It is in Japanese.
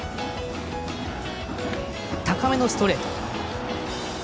高めのストレート。